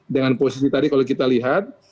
dengan posisi tadi kalau kita lihat